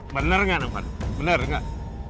bener gak pak bener gak